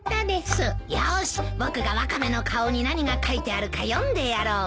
よし僕がワカメの顔に何が書いてあるか読んでやろう。